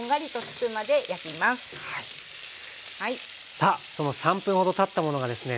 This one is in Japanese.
さあその３分ほどたったものがですね